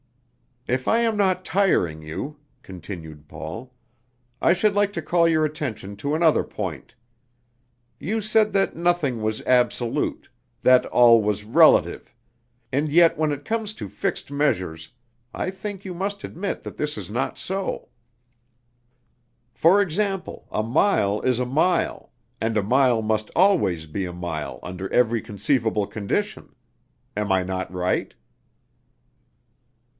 "If I am not tiring you," continued Paul, "I should like to call your attention to another point. You said that nothing was absolute; that all was relative; and yet when it comes to fixed measures, I think you must admit that this is not so. For example, a mile is a mile, and a mile must always be a mile under every conceivable condition. Am I not right?"